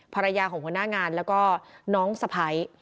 ภรรยาของหัวหน้างานแล้วก็น้องสะพ้าย